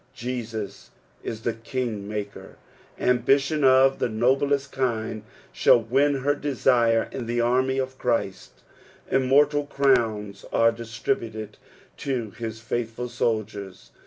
Jesus is the king maker. Ambition of the noblest kind shitll win her desire in the army of Christ; immortal crowns are distributed to his faithful soldiers.